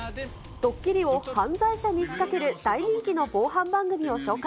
ドッキリを犯罪者に仕掛ける大人気の防犯番組を紹介。